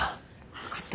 わかった。